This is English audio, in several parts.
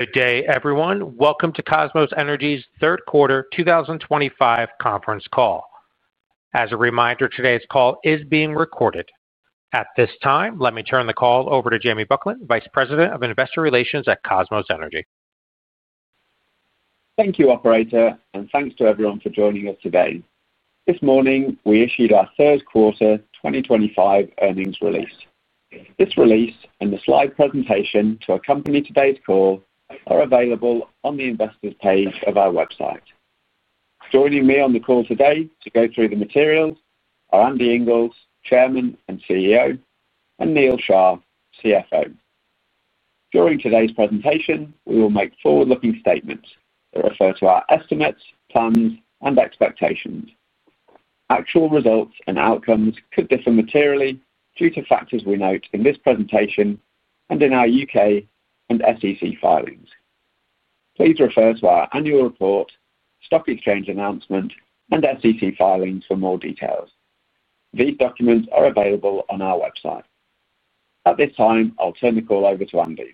Good day, everyone. Welcome to Kosmos Energy's third quarter 2025 conference call. As a reminder, today's call is being recorded. At this time, let me turn the call over to Jamie Buckland, Vice President of Investor Relations at Kosmos Energy. Thank you, Operator, and thanks to everyone for joining us today. This morning, we issued our third quarter 2025 earnings release. This release and the slide presentation to accompany today's call are available on the Investors page of our website. Joining me on the call today to go through the materials are Andrew Inglis, Chairman and CEO, and Neal Shah, CFO. During today's presentation, we will make forward-looking statements that refer to our estimates, plans, and expectations. Actual results and outcomes could differ materially due to factors we note in this presentation and in our U.K. and SEC filings. Please refer to our annual report, stock exchange announcement, and SEC filings for more details. These documents are available on our website. At this time, I'll turn the call over to Andrew.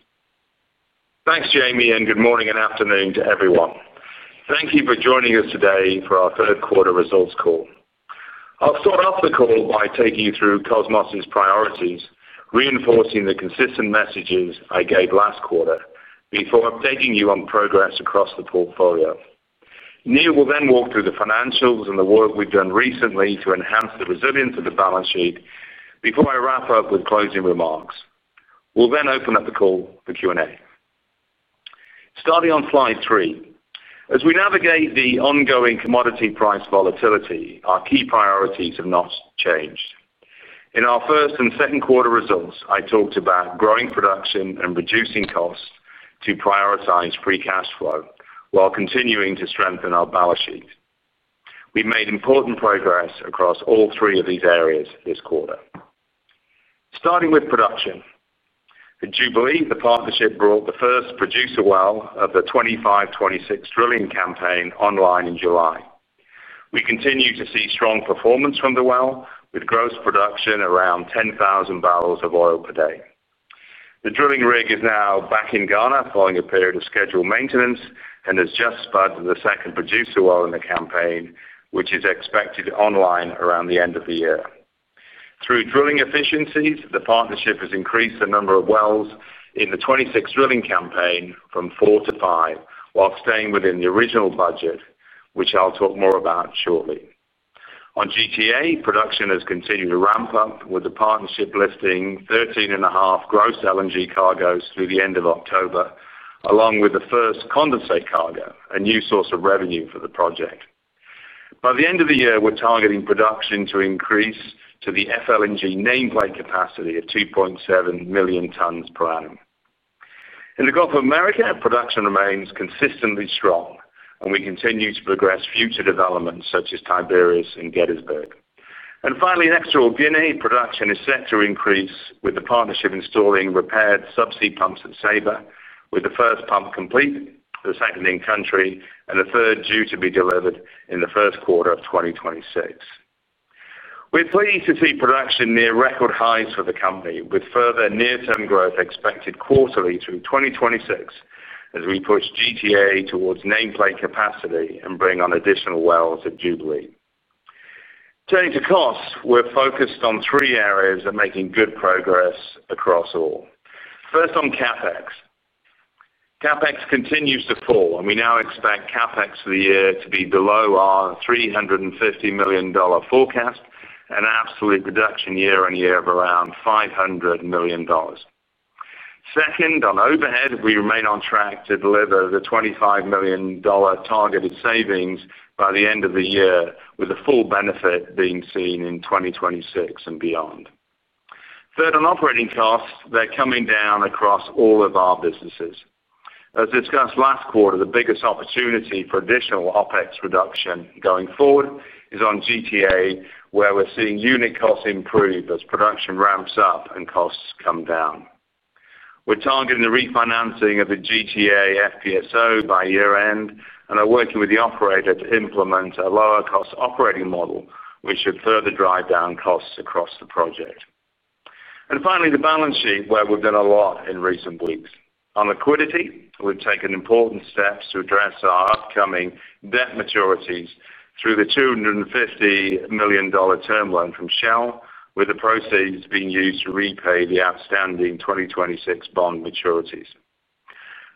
Thanks, Jamie, and good morning and afternoon to everyone. Thank you for joining us today for our third quarter results call. I'll start off the call by taking you through Kosmos's priorities, reinforcing the consistent messages I gave last quarter before updating you on progress across the portfolio. Neal will then walk through the financials and the work we've done recently to enhance the resilience of the balance sheet before I wrap up with closing remarks. We'll then open up the call for Q&A. Starting on slide three, as we navigate the ongoing commodity price volatility, our key priorities have not changed. In our first and second quarter results, I talked about growing production and reducing costs to prioritize free cash flow while continuing to strengthen our balance sheet. We've made important progress across all three of these areas this quarter. Starting with production. At Jubilee, the partnership brought the first producer well of the 2025-2026 drilling campaign online in July. We continue to see strong performance from the well, with gross production around 10,000 barrels of oil per day. The drilling rig is now back in Ghana following a period of scheduled maintenance and has just spud the second producer well in the campaign, which is expected online around the end of the year. Through drilling efficiencies, the partnership has increased the number of wells in the 2026 drilling campaign from four to five while staying within the original budget, which I'll talk more about shortly. On GTA, production has continued to ramp up, with the partnership lifting 13.5 gross LNG cargoes through the end of October, along with the first condensate cargo, a new source of revenue for the project. By the end of the year, we're targeting production to increase to the FLNG nameplate capacity of 2.7 million tons per annum. In the Gulf of America, production remains consistently strong, and we continue to progress future developments such as Tiberius and Gettysburg. Next to Jubilee, production is set to increase, with the partnership installing repaired subsea pumps at Sabre, with the first pump complete, the second in country, and the third due to be delivered in the first quarter of 2026. We're pleased to see production near record highs for the company, with further near-term growth expected quarterly through 2026 as we push GTA towards nameplate capacity and bring on additional wells at Jubilee. Turning to costs, we're focused on three areas of making good progress across all. First, on CapEx. CapEx continues to fall, and we now expect CapEx for the year to be below our $350 million forecast and an absolute production year-on-year of around $500 million. Second, on overhead, we remain on track to deliver the $25 million targeted savings by the end of the year, with the full benefit being seen in 2026 and beyond. Third, on operating costs, they're coming down across all of our businesses. As discussed last quarter, the biggest opportunity for additional OpEx reduction going forward is on GTA, where we're seeing unit costs improve as production ramps up and costs come down. We're targeting the refinancing of the GTA FPSO by year-end and are working with the operator to implement a lower-cost operating model, which should further drive down costs across the project. Finally, the balance sheet, where we've done a lot in recent weeks. On liquidity, we've taken important steps to address our upcoming debt maturities through the $250 million term loan from Shell, with the proceeds being used to repay the outstanding 2026 bond maturities.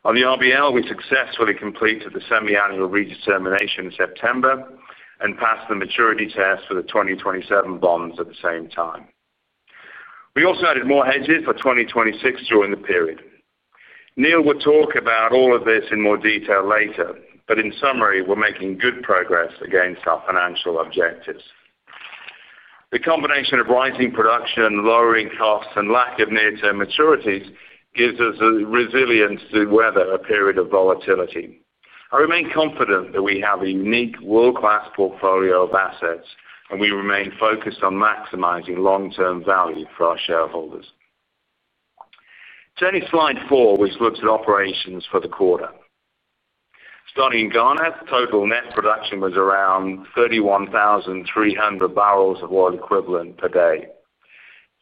On the RBL, we successfully completed the semi-annual redetermination in September. We passed the maturity test for the 2027 bonds at the same time. We also added more hedges for 2026 during the period. Neal will talk about all of this in more detail later, but in summary, we're making good progress against our financial objectives. The combination of rising production, lowering costs, and lack of near-term maturities gives us the resilience to weather a period of volatility. I remain confident that we have a unique, world-class portfolio of assets, and we remain focused on maximizing long-term value for our shareholders. Turning to slide four, which looks at operations for the quarter. Starting in Ghana, total net production was around 31,300 barrels of oil equivalent per day.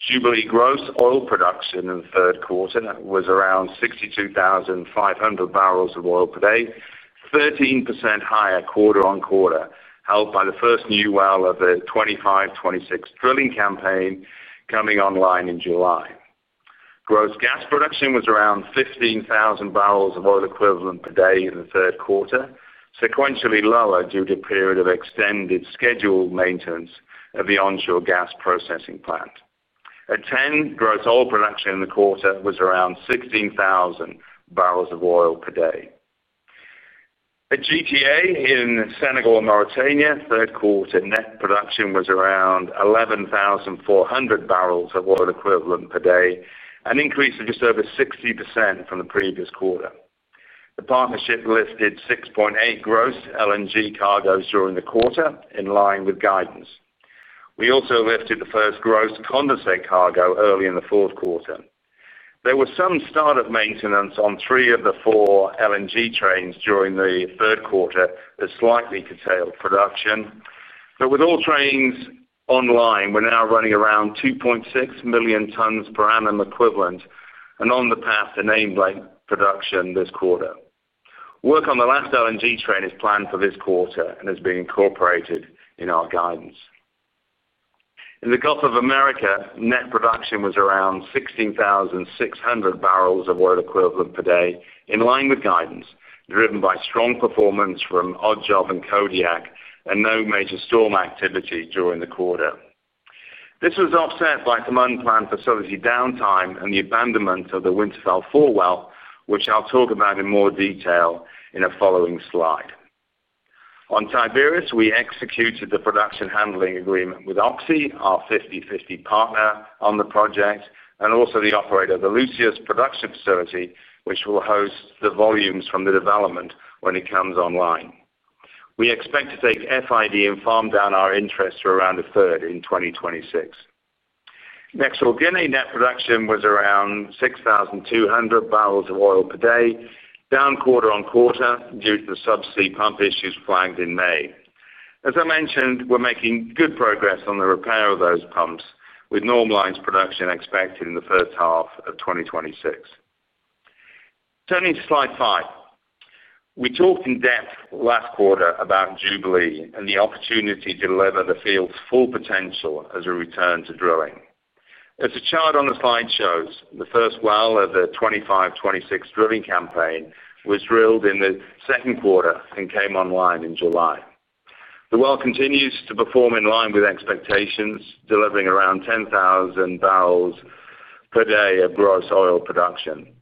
Jubilee gross oil production in the third quarter was around 62,500 barrels of oil per day, 13% higher quarter-on-quarter, held by the first new well of the 2025-2026 drilling campaign coming online in July. Gross gas production was around 15,000 barrels of oil equivalent per day in the third quarter, sequentially lower due to a period of extended scheduled maintenance of the onshore gas processing plant. At TEN, gross oil production in the quarter was around 16,000 barrels of oil per day. At GTA in Senegal and Mauritania, third quarter net production was around 11,400 barrels of oil equivalent per day, an increase of just over 60% from the previous quarter. The partnership lifted 6.8 gross LNG cargoes during the quarter, in line with guidance. We also lifted the first gross condensate cargo early in the fourth quarter. There was some start-up maintenance on three of the four LNG trains during the third quarter that slightly curtailed production, but with all trains online, we're now running around 2.6 million tons per annum equivalent and on the path to nameplate production this quarter. Work on the last LNG train is planned for this quarter and has been incorporated in our guidance. In the Gulf of America, net production was around 16,600 barrels of oil equivalent per day, in line with guidance, driven by strong performance from Oddjob and Kodiak and no major storm activity during the quarter. This was offset by some unplanned facility downtime and the abandonment of the Winterfell 4 well, which I'll talk about in more detail in a following slide. On Tiberius, we executed the production handling agreement with OXY, our 50/50 partner on the project, and also the operator, the Lucius production facility, which will host the volumes from the development when it comes online. We expect to take FID and farm down our interest for around a third in 2026. Next to Organa, net production was around 6,200 barrels of oil per day, down quarter-on-quarter due to the subsea pump issues flagged in May. As I mentioned, we're making good progress on the repair of those pumps, with normalized production expected in the first half of 2026. Turning to slide five, we talked in depth last quarter about Jubilee and the opportunity to deliver the field's full potential as a return to drilling. As the chart on the slide shows, the first well of the 2025-2026 drilling campaign was drilled in the second quarter and came online in July. The well continues to perform in line with expectations, delivering around 10,000 barrels per day of gross oil production.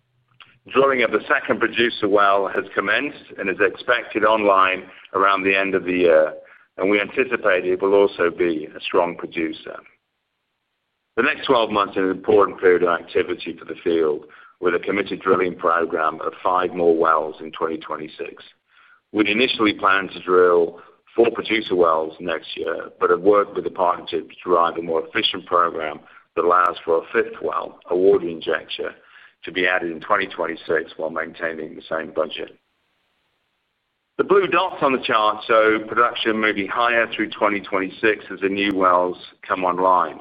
Drilling of the second producer well has commenced and is expected online around the end of the year, and we anticipate it will also be a strong producer. The next 12 months is an important period of activity for the field, with a committed drilling program of five more wells in 2026. We initially planned to drill four producer wells next year but have worked with the partnership to drive a more efficient program that allows for a fifth well, a water injector, to be added in 2026 while maintaining the same budget. The blue dots on the chart show production moving higher through 2026 as the new wells come online.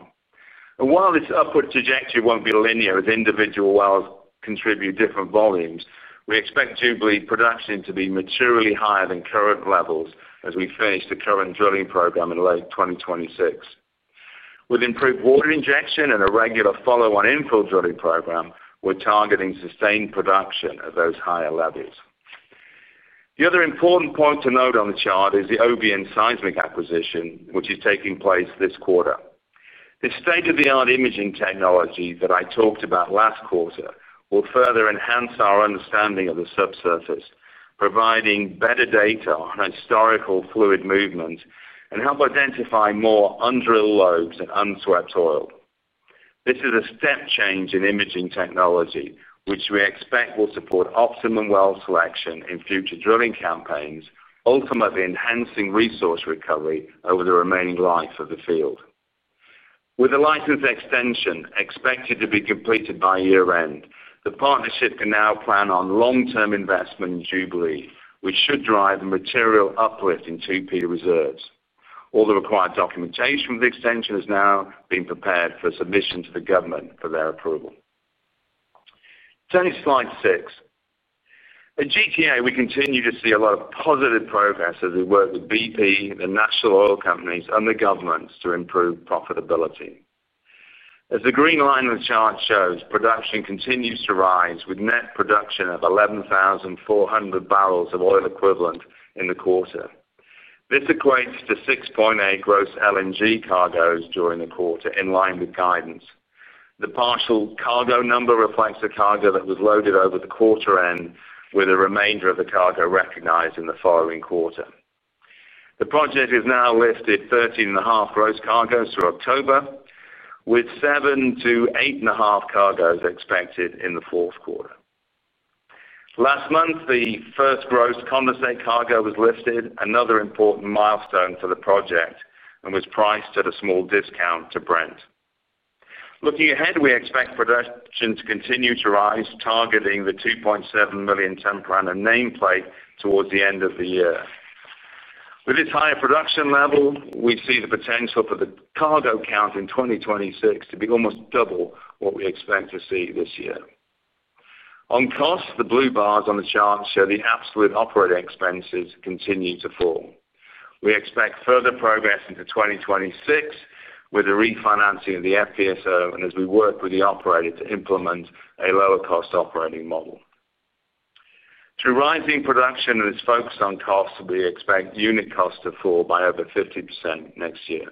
While this upward trajectory won't be linear as individual wells contribute different volumes, we expect Jubilee production to be materially higher than current levels as we finish the current drilling program in late 2026. With improved water injection and a regular follow-on infill drilling program, we're targeting sustained production at those higher levels. The other important point to note on the chart is the OBN seismic acquisition, which is taking place this quarter. This state-of-the-art imaging technology that I talked about last quarter will further enhance our understanding of the subsurface, providing better data on historical fluid movement and help identify more undrilled loads and unswept oil. This is a step change in imaging technology, which we expect will support optimum well selection in future drilling campaigns, ultimately enhancing resource recovery over the remaining life of the field. With the license extension expected to be completed by year-end, the partnership can now plan on long-term investment in Jubilee, which should drive the material uplift in two-peer reserves. All the required documentation for the extension has now been prepared for submission to the government for their approval. Turning to slide six. At GTA, we continue to see a lot of positive progress as we work with BP, the national oil companies, and the governments to improve profitability. As the green line on the chart shows, production continues to rise, with net production of 11,400 barrels of oil equivalent in the quarter. This equates to 6.8 gross LNG cargoes during the quarter, in line with guidance. The partial cargo number reflects the cargo that was loaded over the quarter end, with the remainder of the cargo recognized in the following quarter. The project has now lifted 13.5 gross cargoes through October, with 7-8.5 cargoes expected in the fourth quarter. Last month, the first gross condensate cargo was lifted, another important milestone for the project, and was priced at a small discount to Brent. Looking ahead, we expect production to continue to rise, targeting the 2.7 million ton per annum nameplate towards the end of the year. With this higher production level, we see the potential for the cargo count in 2026 to be almost double what we expect to see this year. On costs, the blue bars on the chart show the absolute operating expenses continue to fall. We expect further progress into 2026 with the refinancing of the FPSO and as we work with the operator to implement a lower-cost operating model. Through rising production and this focus on costs, we expect unit costs to fall by over 50% next year.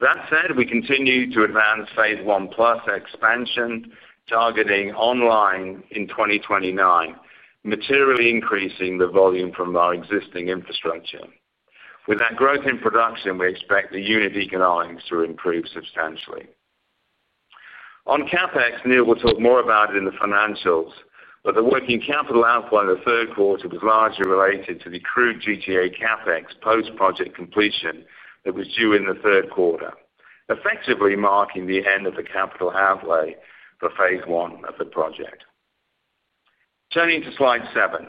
That said, we continue to advance Phase 1+ expansion, targeting online in 2029. Materially increasing the volume from our existing infrastructure. With that growth in production, we expect the unit economics to improve substantially. On CapEx, Neal will talk more about it in the financials, but the working capital outflow in the third quarter was largely related to the crude GTA CapEx post-project completion that was due in the third quarter, effectively marking the end of the capital outlay for phase one of the project. Turning to slide seven.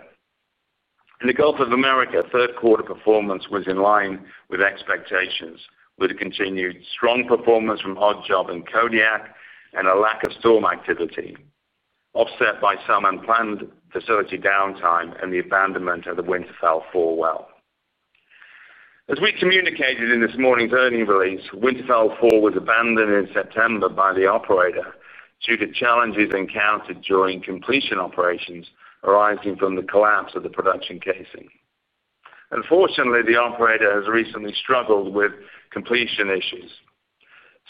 In the Gulf of America, third-quarter performance was in line with expectations, with continued strong performance from Oddjob and Kodiak and a lack of storm activity, offset by some unplanned facility downtime and the abandonment of the Winterfell #4 well. As we communicated in this morning's earnings release, Winterfell #4 was abandoned in September by the operator due to challenges encountered during completion operations arising from the collapse of the production casing. Unfortunately, the operator has recently struggled with completion issues.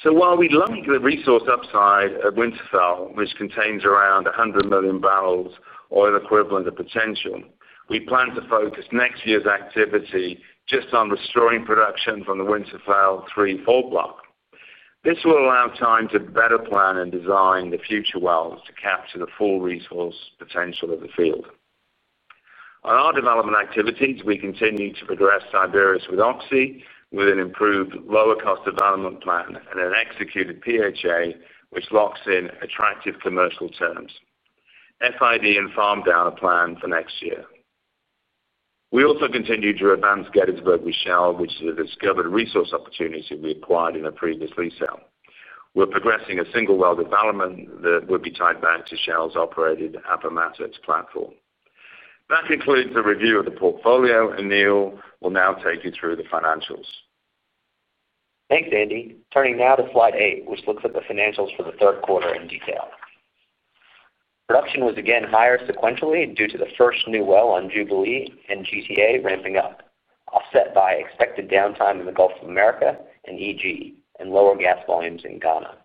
So while we likely resource upside at Winterfell, which contains around 100 million barrels of oil equivalent of potential, we plan to focus next year's activity just on restoring production from the Winterfell #3-#4 block. This will allow time to better plan and design the future wells to capture the full resource potential of the field. On our development activities, we continue to progress Tiberius with [Occidental], with an improved lower-cost development plan and an executed PHA, which locks in attractive commercial terms. FID and farm down are planned for next year. We also continue to advance Gettysburg with Shell, which is a discovered resource opportunity we acquired in a previous leasehold. We're progressing a single well development that will be tied back to Shell's operated Appomattox platform. That concludes the review of the portfolio, and Neal will now take you through the financials. Thanks, Andy. Turning now to slide eight, which looks at the financials for the third quarter in detail. Production was again higher sequentially due to the first new well on Jubilee and GTA ramping up, offset by expected downtime in the Gulf of America and EG, and lower gas volumes in Ghana.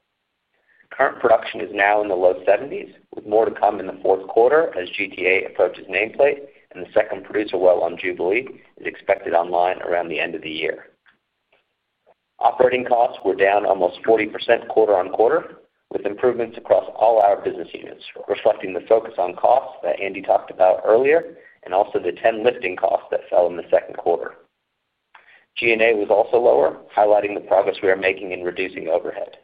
Current production is now in the low 70s, with more to come in the fourth quarter as GTA approaches nameplate and the second producer well on Jubilee is expected online around the end of the year. Operating costs were down almost 40% quarter-on-quarter, with improvements across all our business units, reflecting the focus on costs that Andy talked about earlier and also the 10 lifting costs that fell in the second quarter. G&A was also lower, highlighting the progress we are making in reducing overhead.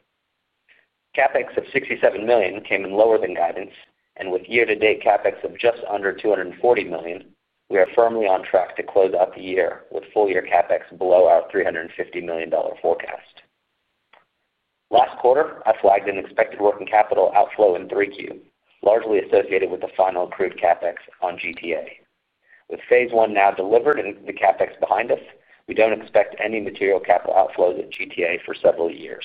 CapEx of $67 million came in lower than guidance, and with year-to-date CapEx of just under $240 million, we are firmly on track to close out the year with full-year CapEx below our $350 million forecast. Last quarter, I flagged an expected working capital outflow in 3Q, largely associated with the final crude CapEx on GTA. With phase one now delivered and the CapEx behind us, we don't expect any material capital outflows at GTA for several years.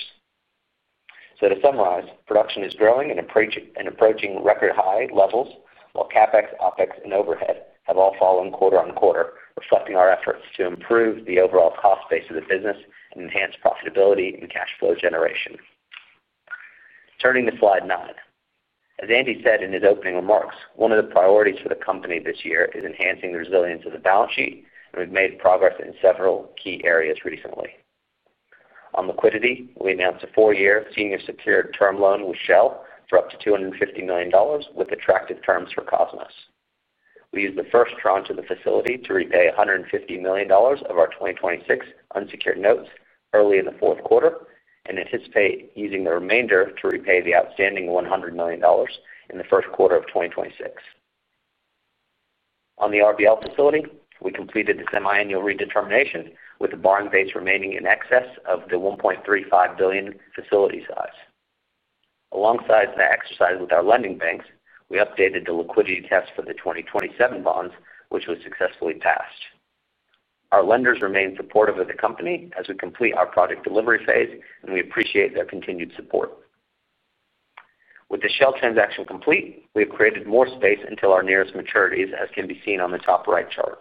To summarize, production is growing and approaching record high levels, while CapEx, OpEx, and overhead have all fallen quarter-on-quarter, reflecting our efforts to improve the overall cost base of the business and enhance profitability and cash flow generation. Turning to slide nine, as Andy said in his opening remarks, one of the priorities for the company this year is enhancing the resilience of the balance sheet, and we've made progress in several key areas recently. On liquidity, we announced a four-year senior secured term loan with Shell for up to $250 million with attractive terms for Kosmos. We used the first tranche of the facility to repay $150 million of our 2026 unsecured notes early in the fourth quarter and anticipate using the remainder to repay the outstanding $100 million in the first quarter of 2026. On the RBL facility, we completed the semiannual redetermination with the borrowing base remaining in excess of the $1.35 billion facility size. Alongside that exercise with our lending banks, we updated the liquidity test for the 2027 bonds, which was successfully passed. Our lenders remain supportive of the company as we complete our project delivery phase, and we appreciate their continued support. With the Shell transaction complete, we have created more space until our nearest maturities, as can be seen on the top right chart.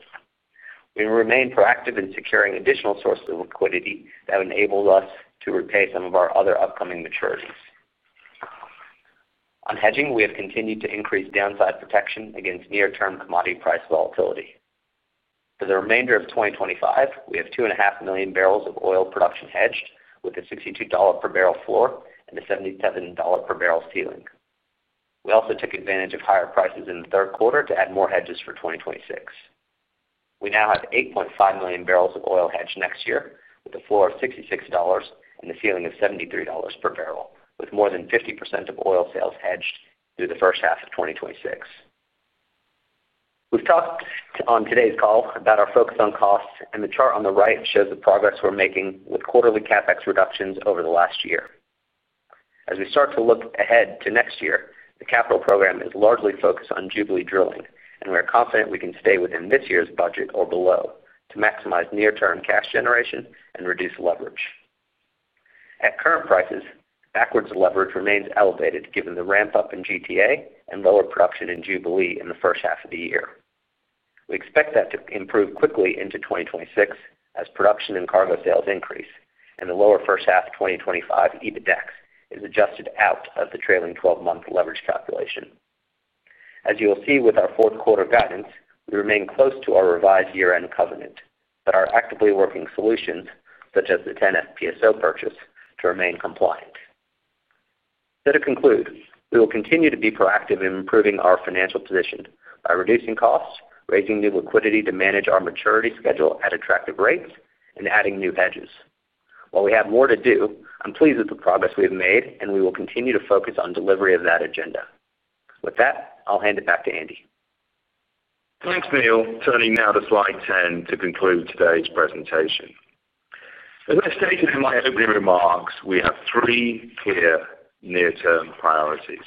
We remain proactive in securing additional sources of liquidity that enable us to repay some of our other upcoming maturities. On hedging, we have continued to increase downside protection against near-term commodity price volatility. For the remainder of 2025, we have 2.5 million barrels of oil production hedged, with a $62 per barrel floor and a $77 per barrel ceiling. We also took advantage of higher prices in the third quarter to add more hedges for 2026. We now have 8.5 million barrels of oil hedged next year, with a floor of $66 and a ceiling of $73 per barrel, with more than 50% of oil sales hedged through the first half of 2026. We've talked on today's call about our focus on costs, and the chart on the right shows the progress we're making with quarterly CapEx reductions over the last year. As we start to look ahead to next year, the capital program is largely focused on Jubilee drilling, and we are confident we can stay within this year's budget or below to maximize near-term cash generation and reduce leverage. At current prices, backwards leverage remains elevated given the ramp-up in GTA and lower production in Jubilee in the first half of the year. We expect that to improve quickly into 2026 as production and cargo sales increase and the lower first half 2025 EBITDA is adjusted out of the trailing 12-month leverage calculation. As you will see with our fourth quarter guidance, we remain close to our revised year-end covenant, but our actively working solutions, such as the 10 FPSO purchase, remain compliant. To conclude, we will continue to be proactive in improving our financial position by reducing costs, raising new liquidity to manage our maturity schedule at attractive rates, and adding new hedges. While we have more to do, I'm pleased with the progress we've made, and we will continue to focus on delivery of that agenda. With that, I'll hand it back to Andy. Thanks, Neal. Turning now to slide 10 to conclude today's presentation. As I stated in my opening remarks, we have three clear near-term priorities.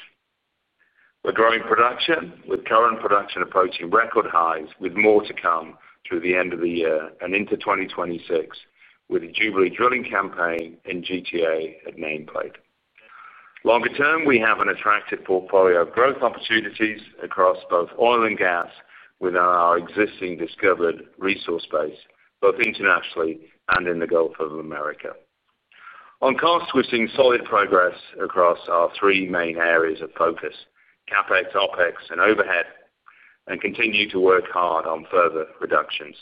We're growing production with current production approaching record highs, with more to come through the end of the year and into 2026 with a Jubilee drilling campaign and GTA at nameplate. Longer-term, we have an attractive portfolio of growth opportunities across both oil and gas within our existing discovered resource base, both internationally and in the Gulf of America. On costs, we're seeing solid progress across our three main areas of focus: CapEx, OpEx, and overhead, and continue to work hard on further reductions.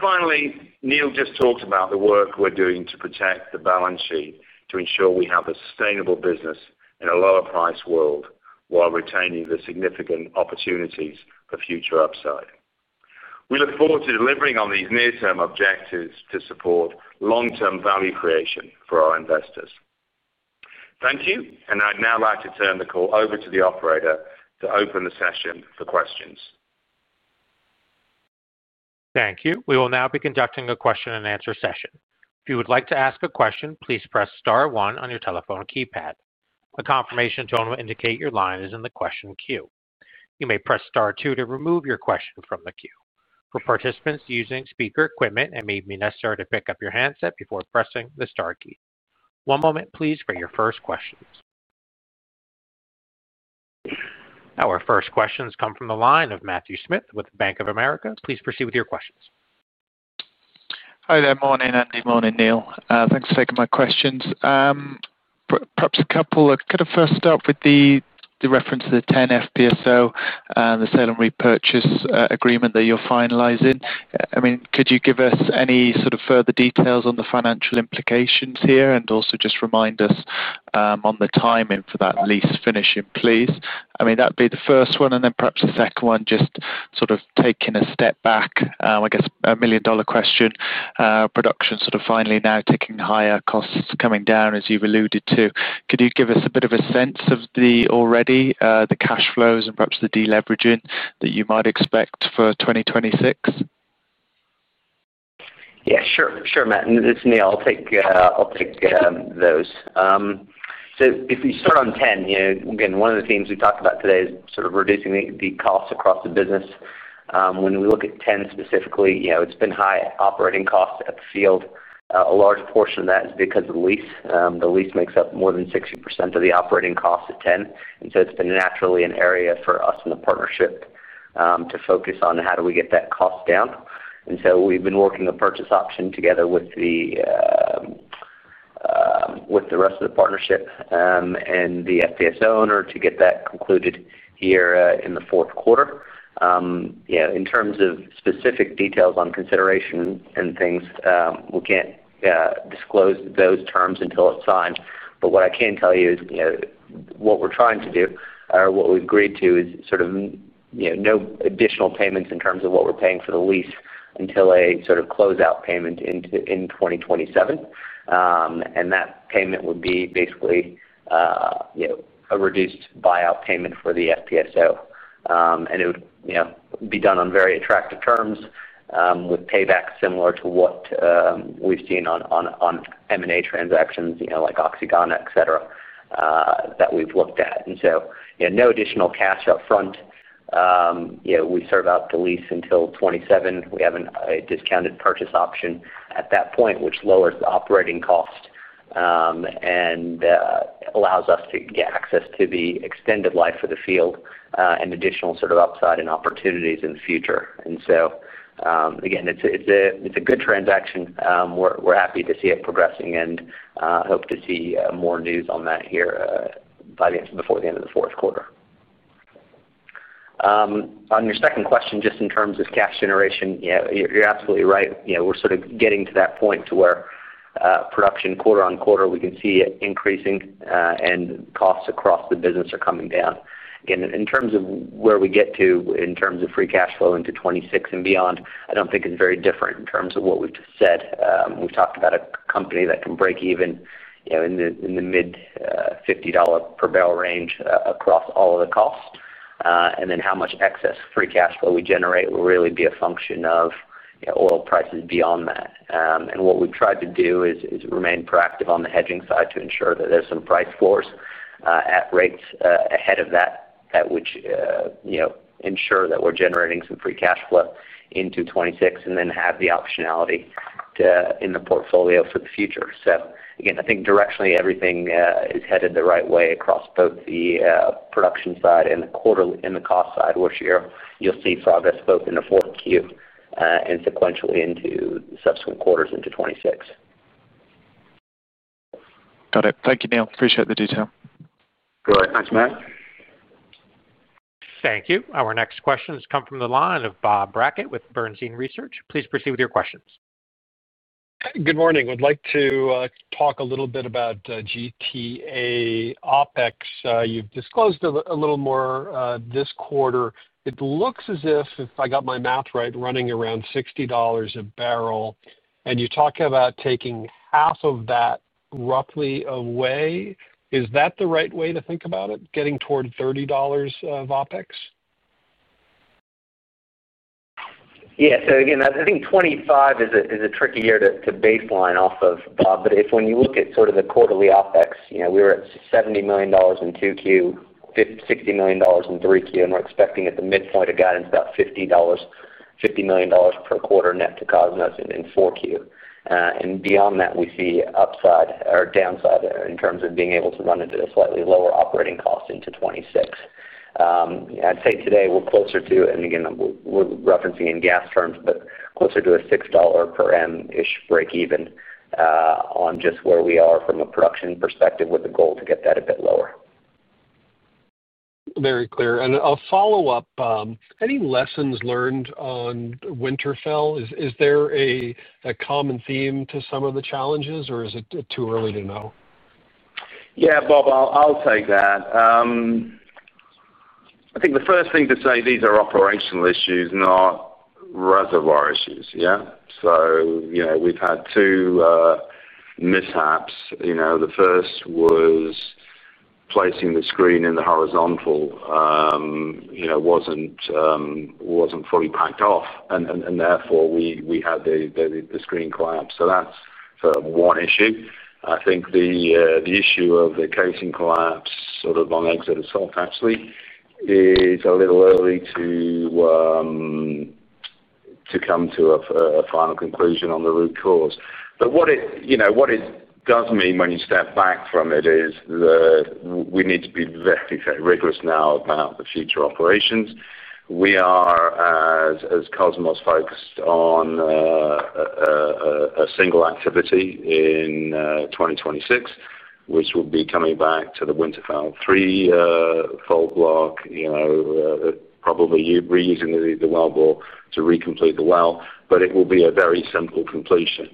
Finally, Neal just talked about the work we're doing to protect the balance sheet to ensure we have a sustainable business in a lower-price world while retaining the significant opportunities for future upside. We look forward to delivering on these near-term objectives to support long-term value creation for our investors. Thank you, and I'd now like to turn the call over to the operator to open the session for questions. Thank you. We will now be conducting a question-and-answer session. If you would like to ask a question, please press star one on your telephone keypad. A confirmation tone will indicate your line is in the question queue. You may press star two to remove your question from the queue. For participants using speaker equipment, it may be necessary to pick up your handset before pressing the star key. One moment, please, for your first questions. Our first questions come from the line of Matthew Smith with Bank of America. Please proceed with your questions. Hi, good morning, Andy. Morning, Neal. Thanks for taking my questions. Perhaps a couple of kind of first start with the reference to the 10 FPSO and the sale and repurchase agreement that you're finalizing. I mean, could you give us any sort of further details on the financial implications here and also just remind us on the timing for that lease finishing, please? I mean, that'd be the first one, and then perhaps the second one, just sort of taking a step back, I guess, a million-dollar question. Production sort of finally now ticking higher, costs coming down, as you've alluded to. Could you give us a bit of a sense of the already, the cash flows, and perhaps the deleveraging that you might expect for 2026? Yeah, sure. Sure, Matt. And it's Neal. I'll take those. If we start on 10, again, one of the themes we talked about today is sort of reducing the cost across the business. When we look at 10 specifically, it's been high operating costs at the field. A large portion of that is because of the lease. The lease makes up more than 60% of the operating costs at 10. It's been naturally an area for us in the partnership to focus on how do we get that cost down. We've been working a purchase option together with the rest of the partnership and the FPSO owner to get that concluded here in the fourth quarter. In terms of specific details on consideration and things, we can't disclose those terms until it's signed. What I can tell you is what we're trying to do or what we've agreed to is sort of no additional payments in terms of what we're paying for the lease until a sort of closeout payment in 2027. That payment would be basically a reduced buyout payment for the FPSO. It would be done on very attractive terms with payback similar to what we've seen on M&A transactions like OxyGon, etc. that we've looked at. No additional cash upfront. We serve out the lease until 2027. We have a discounted purchase option at that point, which lowers the operating cost. Allows us to get access to the extended life of the field and additional sort of upside and opportunities in the future. Again, it's a good transaction. We're happy to see it progressing and hope to see more news on that here before the end of the fourth quarter. On your second question, just in terms of cash generation, you're absolutely right. We're sort of getting to that point to where production quarter-on-quarter, we can see it increasing, and costs across the business are coming down. Again, in terms of where we get to in terms of free cash flow into 2026 and beyond, I don't think it's very different in terms of what we've just said. We've talked about a company that can break even in the mid-$50 per barrel range across all of the costs. Then how much excess free cash flow we generate will really be a function of oil prices beyond that. What we've tried to do is remain proactive on the hedging side to ensure that there's some price floors at rates ahead of that, which ensure that we're generating some free cash flow into 2026 and then have the optionality in the portfolio for the future. Again, I think directionally, everything is headed the right way across both the production side and the cost side, which you'll see progress both in the fourth quarter and sequentially into subsequent quarters into 2026. Got it. Thank you, Neal. Appreciate the detail. Great. Thanks, Matt. Thank you. Our next question has come from the line of Bob Brackett with Bernstein Research. Please proceed with your questions. Good morning. I'd like to talk a little bit about GTA OpEx. You've disclosed a little more this quarter. It looks as if, if I got my math right, running around $60 a barrel, and you talk about taking half of that roughly away. Is that the right way to think about it, getting toward $30 of OpEx? Yeah. Again, I think 2025 is a tricky year to baseline off of, Bob. If when you look at sort of the quarterly OpEx, we were at $70 million in 2Q, $60 million in 3Q, and we're expecting at the midpoint of guidance about $50 million per quarter net to Kosmos in 4Q. Beyond that, we see upside or downside in terms of being able to run into a slightly lower operating cost into 2026. I'd say today we're closer to, and again, we're referencing in gas terms, but closer to a $6 per m-ish break even on just where we are from a production perspective with the goal to get that a bit lower. Very clear. And a follow-up, any lessons learned on Winterfell? Is there a common theme to some of the challenges, or is it too early to know? Yeah, Bob, I'll take that. I think the first thing to say, these are operational issues, not reservoir issues, yeah? We have had two mishaps. The first was placing the screen in the horizontal. It was not fully packed off, and therefore we had the screen collapse. That is sort of one issue. I think the issue of the casing collapse sort of on exit itself, actually, is a little early to come to a final conclusion on the root cause. What it does mean when you step back from it is we need to be very, very rigorous now about the future operations. We are, as Kosmos, focused on a single activity in 2026, which will be coming back to the Winterfell #3 fold block, probably reusing the wellbore to recomplete the well, but it will be a very simple completion.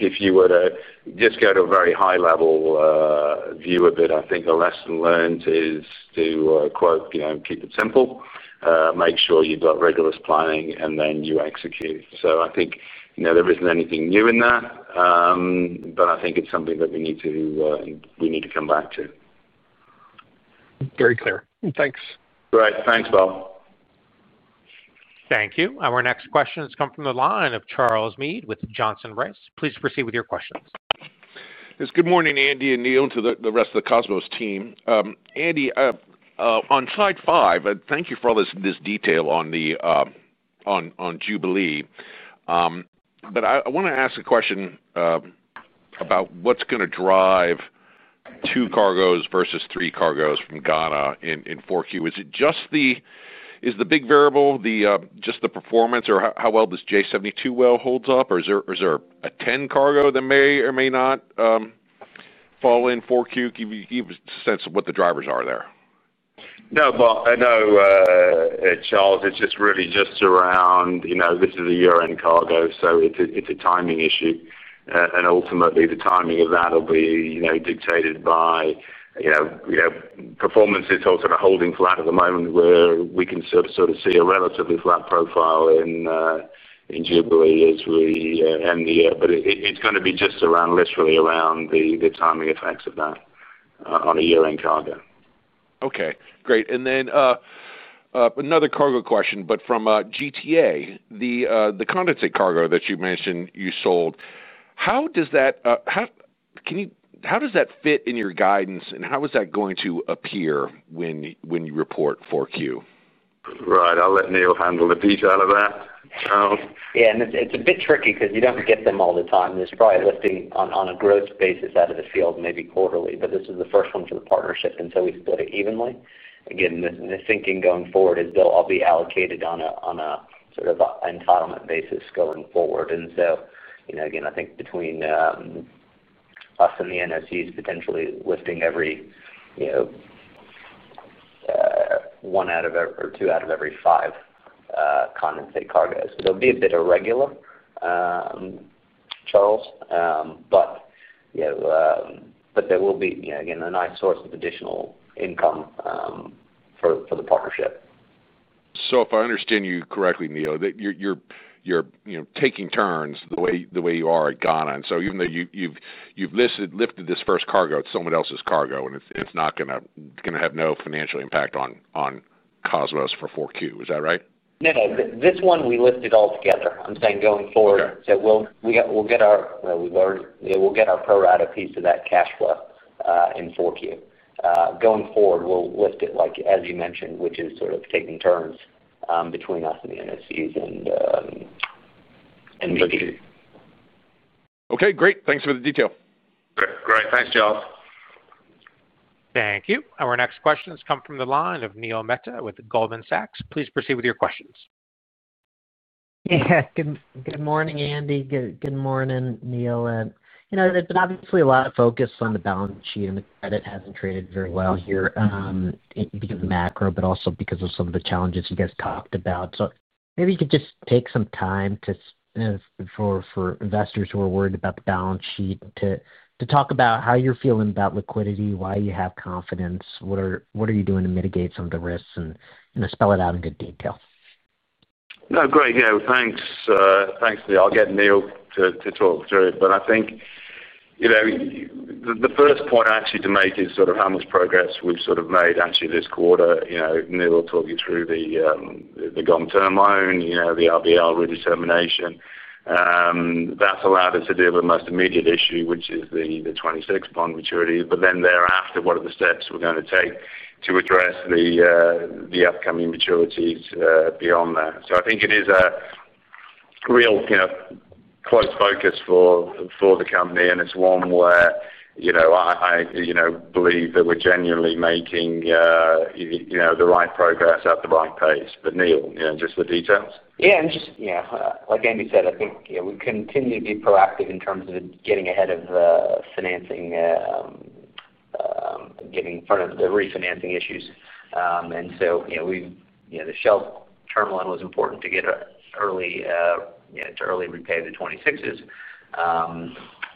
If you were to just go to a very high-level view of it, I think the lesson learned is to, quote, keep it simple, make sure you have got rigorous planning, and then you execute. I think there is not anything new in that. I think it is something that we need to come back to. Very clear. Thanks. Great. Thanks, Bob. Thank you. Our next question has come from the line of Charles Meade with Johnson Rice. Please proceed with your questions. Yes. Good morning, Andy and Neal, and to the rest of the Kosmos team. Andy, on slide five, thank you for all this detail on Jubilee. I want to ask a question about what is going to drive two cargoes versus three cargoes from Ghana in Q4. Is it just the big variable, just the performance, or how well does J72 well hold up, or is there a tenth cargo that may or may not fall in Q4? Give us a sense of what the drivers are there. No, Charles, it is just really just around this is a year-end cargo, so it is a timing issue. Ultimately, the timing of that will be dictated by performance. It is also holding flat at the moment where we can sort of see a relatively flat profile in Jubilee as we end the year. It is going to be just around, literally around the timing effects of that on a year-end cargo. Okay. Great. Another cargo question, but from GTA, the condensate cargo that you mentioned you sold. How does that fit in your guidance, and how is that going to appear when you report Q4? Right. I will let Neal handle the detail of that, Charles. Yeah. It is a bit tricky because you do not get them all the time. There is probably a lifting on a gross basis out of the field, maybe quarterly, but this is the first one for the partnership, and so we split it evenly. Again, the thinking going forward, still, will be allocated on a sort of entitlement basis going forward. I think between us and the NOCs potentially lifting one out of or two out of every five condensate cargo, there will be a bit of regular Charles, but there will be, again, a nice source of additional income for the partnership. If I understand you correctly, Neal, you're taking turns the way you are at Ghana. Even though you've lifted this first cargo, it's someone else's cargo, and it's not going to have any financial impact on Kosmos for Q4, is that right? No, no. This one, we lifted altogether. I'm saying going forward, so we'll get our pro-rata piece of that cash flow in Q4. Going forward, we'll lift it, as you mentioned, which is sort of taking turns between us and the NOCs and Jubilee. Okay. Great. Thanks for the detail. Great. Thanks, Charles. Thank you. Our next question has come from the line of Neil Mehta with Goldman Sachs. Please proceed with your questions. Yeah. Good morning, Andy. Good morning, Neal. There's been obviously a lot of focus on the balance sheet, and the credit hasn't traded very well here because of macro, but also because of some of the challenges you guys talked about. Maybe you could just take some time for investors who are worried about the balance sheet to talk about how you're feeling about liquidity, why you have confidence, what are you doing to mitigate some of the risks, and spell it out in good detail. No, great. Yeah. Thanks, Neil. I'll get Neal to talk through it. I think the first point actually to make is how much progress we've made this quarter. Neal will talk you through the long-term loan, the RBL redetermination. That's allowed us to deal with the most immediate issue, which is the 2026 bond maturity. Thereafter, what are the steps we're going to take to address the upcoming maturities beyond that? I think it is a real close focus for the company, and it's one where I believe that we're genuinely making the right progress at the right pace. Neal, just the details? Yeah. Like Andy said, I think we continue to be proactive in terms of getting ahead of the financing, getting in front of the refinancing issues. The Shell terminal was important to get to early, repay the 2026s.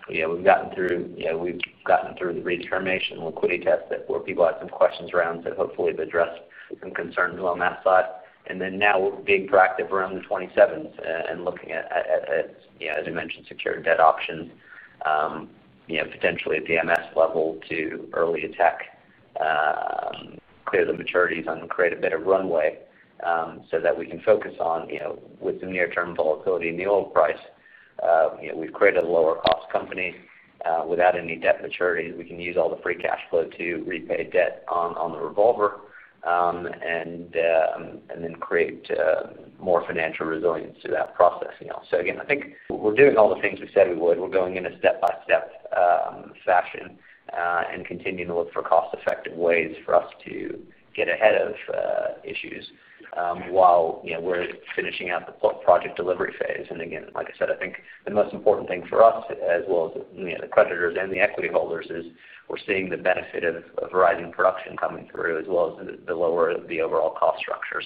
We've gotten through the redetermination liquidity test where people had some questions around, so hopefully, they've addressed some concerns on that side. Now we're being proactive around the 2027s and looking at, as I mentioned, secured debt options, potentially at the MS level to early attack, clear the maturities, and create a bit of runway so that we can focus on, with some near-term volatility in the oil price. We've created a lower-cost company without any debt maturities. We can use all the free cash flow to repay debt on the revolver and then create more financial resilience through that process. Again, I think we're doing all the things we said we would. We're going in a step-by-step fashion and continuing to look for cost-effective ways for us to get ahead of issues while we're finishing out the project delivery phase. Again, like I said, I think the most important thing for us, as well as the creditors and the equity holders, is we're seeing the benefit of rising production coming through, as well as the lower overall cost structure.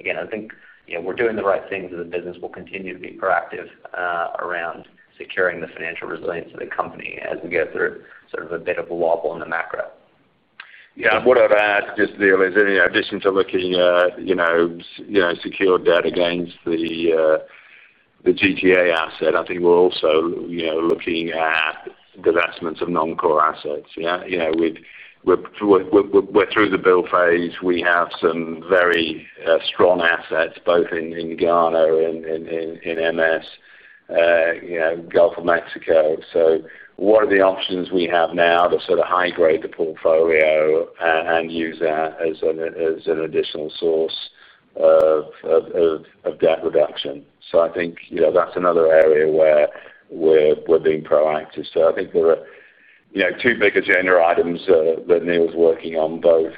Again, I think we're doing the right things as a business. We'll continue to be proactive around securing the financial resilience of the company as we go through sort of a bit of a wobble in the macro. Yeah. What I'd add to just, Neil, is in addition to looking at secured debt against the GTA asset, I think we're also looking at developments of non-core assets. We're through the build phase. We have some very strong assets both in Ghana and in the [MS] Gulf of Mexico. What are the options we have now to sort of high-grade the portfolio and use that as an additional source of debt reduction? I think that's another area where we're being proactive. I think there are two big agenda items that Neal's working on, both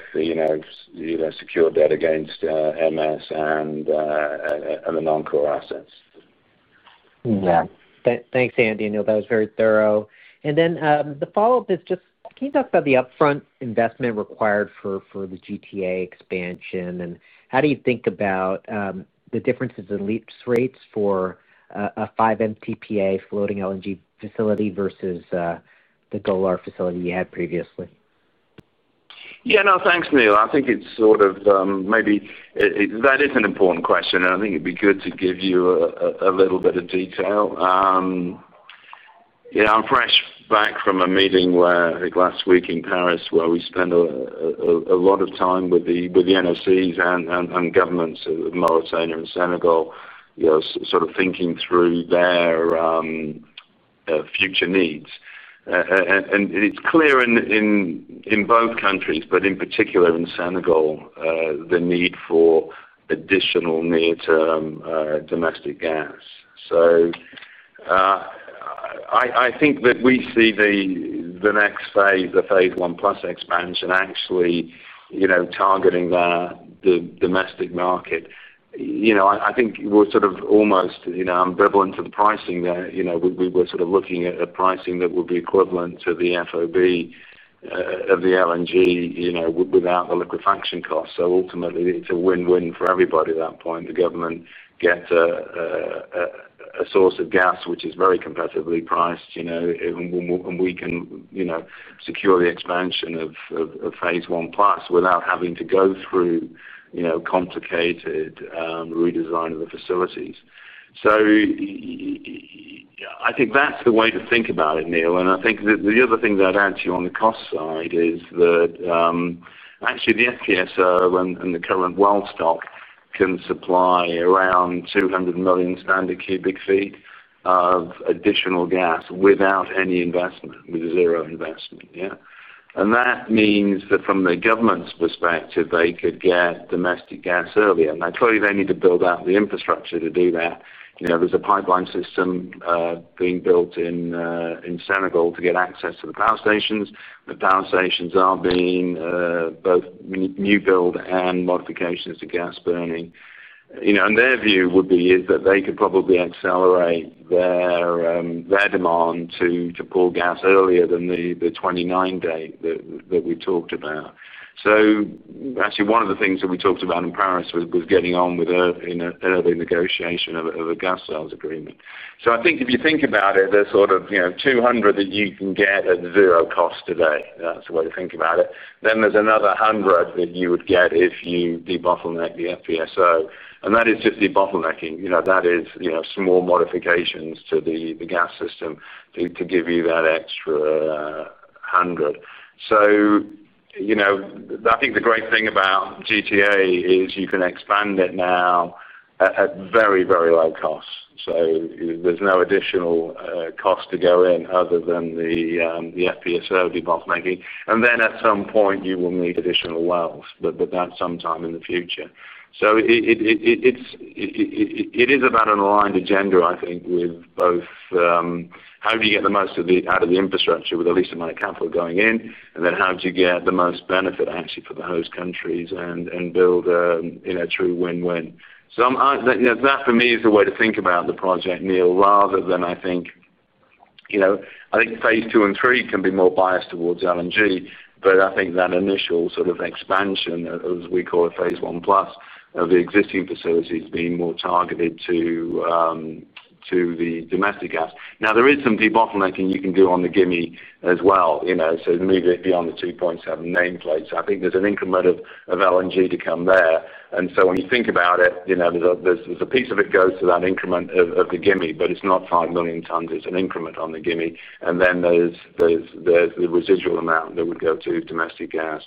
secured debt against the GTA and the non-core assets. Yeah. Thanks, Andy and Neal. That was very thorough. The follow-up is just, can you talk about the upfront investment required for the GTA expansion? How do you think about the differences in lease rates for a 5 MTPA floating LNG facility versus the Golar facility you had previously? Yeah. No, thanks, Neil. I think it's sort of maybe that is an important question, and I think it'd be good to give you a little bit of detail. I'm fresh back from a meeting last week in Paris where we spent a lot of time with the NOCs and governments of Mauritania and Senegal, sort of thinking through their future needs. It's clear in both countries, but in particular in Senegal, the need for additional near-term domestic gas. I think that we see the next phase, the Phase 1+ expansion, actually targeting the domestic market. I think we're sort of almost ambivalent to the pricing there. We were sort of looking at a pricing that would be equivalent to the FOB of the LNG without the liquefaction cost. Ultimately, it's a win-win for everybody at that point. The government gets a source of gas which is very competitively priced, and we can secure the expansion of Phase 1+ without having to go through complicated redesign of the facilities. I think that's the way to think about it, Neil. I think the other thing that I'd add to you on the cost side is that actually, the FPSO and the current well stock can supply around 200 million standard cubic feet of additional gas without any investment, with zero investment, yeah? That means that from the government's perspective, they could get domestic gas earlier. Now, clearly, they need to build out the infrastructure to do that. There's a pipeline system being built in Senegal to get access to the power stations. The power stations are being both new build and modifications to gas burning. Their view would be that they could probably accelerate their demand to pull gas earlier than the 2029 date that we talked about. Actually, one of the things that we talked about in Paris was getting on with an early negotiation of a gas sales agreement. I think if you think about it, there's sort of 200 that you can get at zero cost today. That's the way to think about it. Then there's another 100 that you would get if you debottleneck the FPSO. That is just debottlenecking. That is small modifications to the gas system to give you that extra 100. I think the great thing about GTA is you can expand it now at very, very low cost. There's no additional cost to go in other than the FPSO debottlenecking. At some point, you will need additional wells, but that's sometime in the future. It is about an aligned agenda, I think, with both how do you get the most out of the infrastructure with the least amount of capital going in, and then how do you get the most benefit actually for the host countries and build a true win-win. That, for me, is the way to think about the project, Neil, rather than I think phase two and three can be more biased towards LNG, but I think that initial sort of expansion, as we call it, Phase 1+ of the existing facilities being more targeted to the domestic gas. Now, there is some debottlenecking you can do on the Gimi as well, so to move it beyond the 2.7 nameplate. I think there's an increment of LNG to come there. When you think about it, there's a piece of it goes to that increment of the Gimi, but it's not 5 million tons. It's an increment on the Gimi. Then there's the residual amount that would go to domestic gas.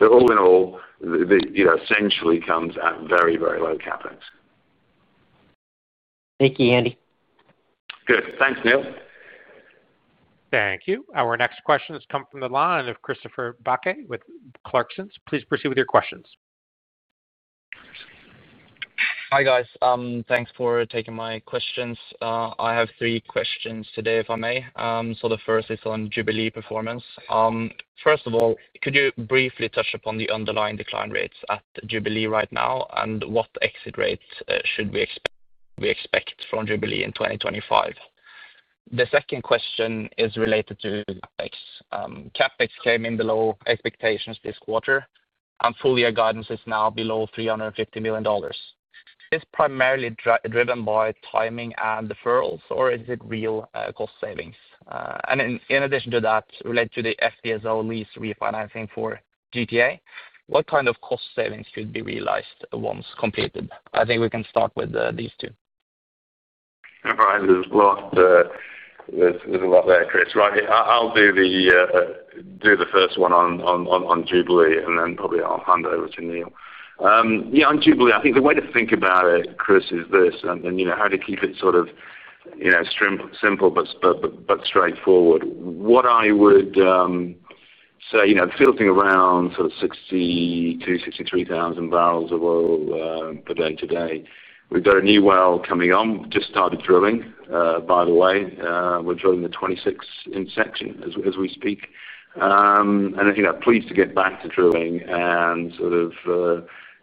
All in all, it essentially comes at very, very low CapEx. Thank you, Andy. Good. Thanks, Neil. Thank you. Our next question has come from the line of Christopher Buckett with Clarksons. Please proceed with your questions. Hi, guys. Thanks for taking my questions. I have three questions today, if I may. The first is on Jubilee performance. First of all, could you briefly touch upon the underlying decline rates at Jubilee right now and what exit rates should we expect from Jubilee in 2025? The second question is related to CapEx. CapEx came in below expectations this quarter, and full-year guidance is now below $350 million. Is this primarily driven by timing and deferrals, or is it real cost savings? In addition to that, related to the FPSO lease refinancing for GTA, what kind of cost savings could be realized once completed? I think we can start with these two. I've lost. There's a lot there, Chris. Right. I'll do the first one on Jubilee and then probably I'll hand over to Neal. Yeah. On Jubilee, I think the way to think about it, Chris, is this: how to keep it sort of simple but straightforward. What I would say, filtering around sort of 62,000-63,000 barrels of oil per day today. We've got a new well coming on. We've just started drilling, by the way. We're drilling the 2026 in section as we speak. I think that pleads to get back to drilling and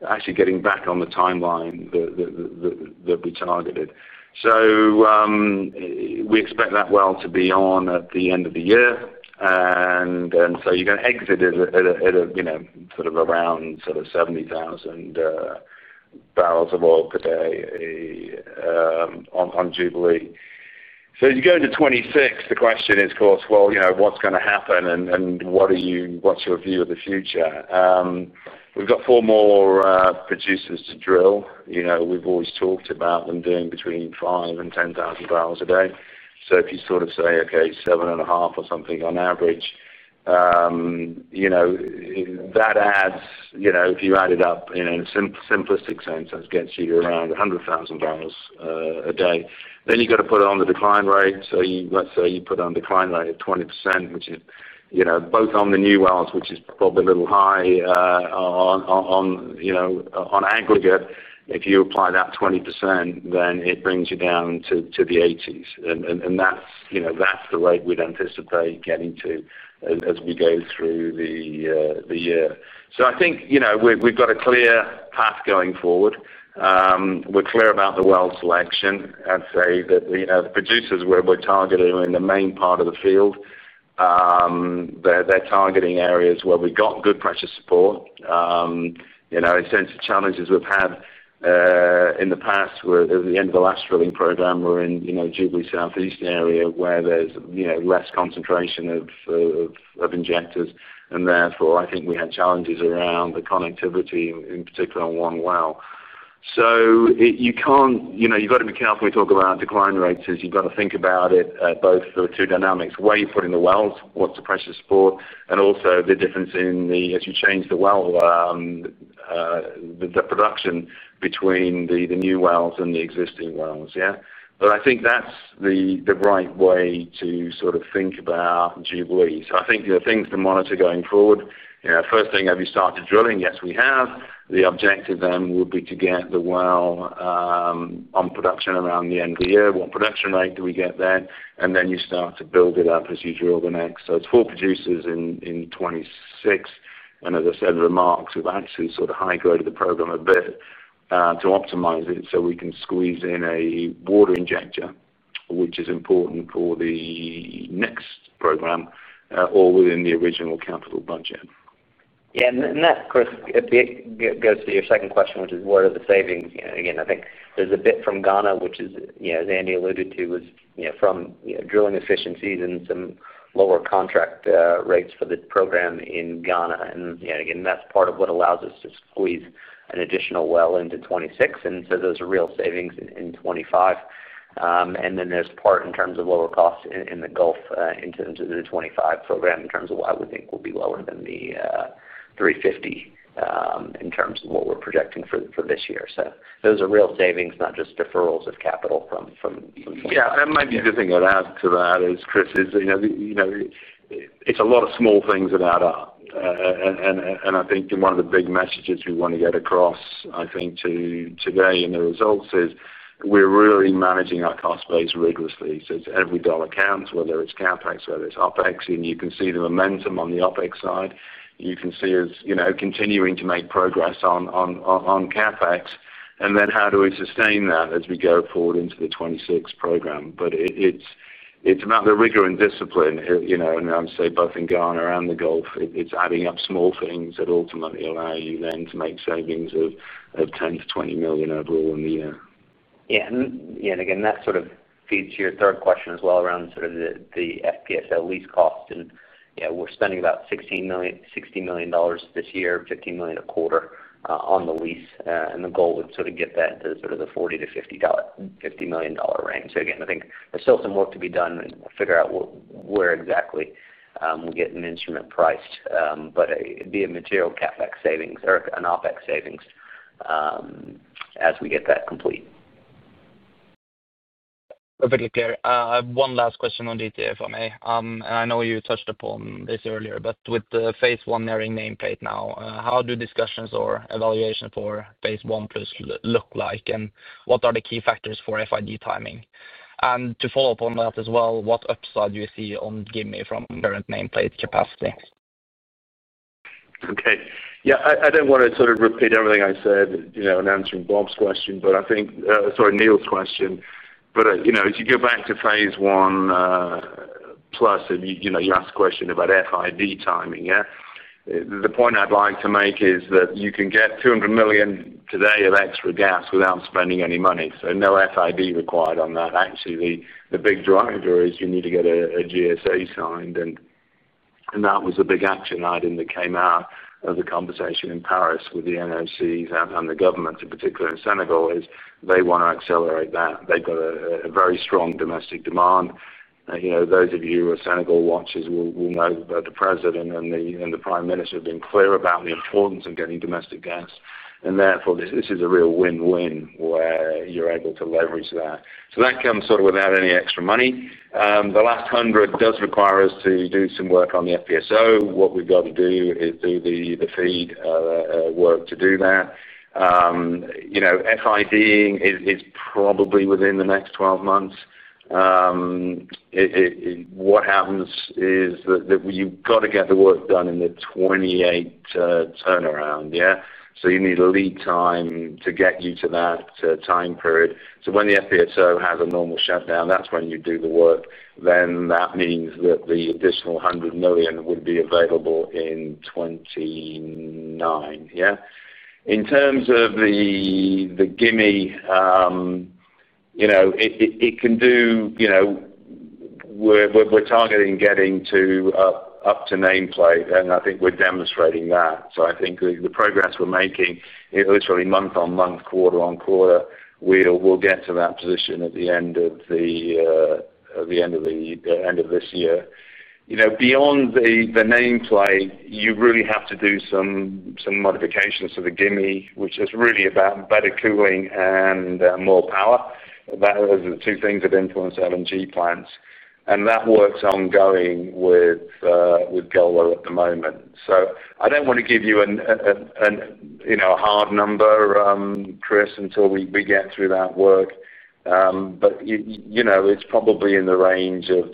actually getting back on the timeline that we targeted. We expect that well to be on at the end of the year. You're going to exit at sort of around 70,000 barrels of oil per day on Jubilee. As you go into 2026, the question is, of course, what's going to happen and what's your view of the future? We've got four more producers to drill. We've always talked about them doing between 5,000 and 10,000 barrels a day. If you sort of say, okay, 7,500 or something on average, that adds, if you add it up in a simplistic sense, that gets you to around 100,000 barrels a day. Then you've got to put on the decline rate. Let's say you put on a decline rate of 20%, which is both on the new wells, which is probably a little high on aggregate. If you apply that 20%, then it brings you down to the 80s. That's the rate we'd anticipate getting to as we go through the year. I think we've got a clear path going forward. We're clear about the well selection. I'd say that the producers we're targeting are in the main part of the field. They're targeting areas where we got good pressure support. In sense, the challenges we've had in the past, at the end of the last drilling program, were in Jubilee Southeast area where there's less concentration of injectors. Therefore, I think we had challenges around the connectivity, in particular on one well. You have got to be careful when we talk about decline rates as you have got to think about it both for two dynamics: where you are putting the wells, what is the pressure support, and also the difference in the, as you change the well. The production between the new wells and the existing wells, yeah? I think that is the right way to sort of think about Jubilee. I think the things to monitor going forward, first thing, have you started drilling? Yes, we have. The objective then would be to get the well on production around the end of the year. What production rate do we get there? Then you start to build it up as you drill the next. It is four producers in 2026. As I said, remarks with actually sort of high-graded the program a bit to optimize it so we can squeeze in a water injector, which is important for the next program or within the original capital budget. Yeah. That, Chris, goes to your second question, which is, what are the savings? Again, I think there is a bit from Ghana, which, as Andy alluded to, was from drilling efficiencies and some lower contract rates for the program in Ghana. Again, that is part of what allows us to squeeze an additional well into 2026. Those are real savings in 2025. Then there is part in terms of lower cost in the Gulf in terms of the 2025 program in terms of what we think will be lower than the $350 million in terms of what we are projecting for this year. Those are real savings, not just deferrals of capital from. Yeah. Maybe the thing I would add to that is, Chris, it is a lot of small things that add up. I think one of the big messages we want to get across, I think, today in the results is we are really managing our cost base rigorously. It is every dollar counts, whether it is CapEx, whether it is OpEx. You can see the momentum on the OpEx side. You can see us continuing to make progress on CapEx. Then how do we sustain that as we go forward into the 2026 program? It is about the rigor and discipline. I would say both in Ghana and the Gulf, it is adding up small things that ultimately allow you then to make savings of $10 million-$20 million overall in the year. Yeah. Again, that sort of feeds your third question as well around sort of the FPSO lease cost. Yeah, we are spending about $60 million this year, $50 million a quarter on the lease. The goal would sort of get that into the $40 million-$50 million range. Again, I think there is still some work to be done and figure out where exactly we get an instrument priced, but it would be a material CapEx savings or an OpEx savings as we get that complete. Perfectly clear. One last question on DTF, if I may. I know you touched upon this earlier, but with the Phase 1 nearing nameplate now, how do discussions or evaluations for Phase 1+ look like, and what are the key factors for FID timing? To follow up on that as well, what upside do you see on Gimi from current nameplate capacity? Okay. I do not want to sort of repeat everything I said in answering Bob's question, but I think, sorry, Neil's question. If you go back to Phase 1+ and you ask a question about FID timing, yeah? The point I would like to make is that you can get 200 million today of extra gas without spending any money. No FID required on that. Actually, the big driver is you need to get a GSA signed. That was the big action item that came out of the conversation in Paris with the NOCs and the government, in particular in Senegal, is they want to accelerate that. They have got a very strong domestic demand. Those of you who are Senegal watchers will know that the president and the prime minister have been clear about the importance of getting domestic gas. Therefore, this is a real win-win where you are able to leverage that. That comes sort of without any extra money. The last 100 does require us to do some work on the FPSO. What we have got to do is do the FEED work to do that. FIDing is probably within the next 12 months. What happens is that you have got to get the work done in the 2028 turnaround, yeah? You need lead time to get you to that time period. When the FPSO has a normal shutdown, that is when you do the work. That means that the additional 100 million would be available in 2029, yeah? In terms of the Gimi, it can do, we are targeting getting to up to nameplate, and I think we are demonstrating that. I think the progress we are making, literally month-on-month, quarter-on-quarter, we will get to that position at the end of the end of this year. Beyond the nameplate, you really have to do some modifications to the Gimi, which is really about better cooling and more power. Those are the two things that influence LNG plants. That work is ongoing with Golar at the moment. I do not want to give you a hard number, Chris, until we get through that work. It is probably in the range of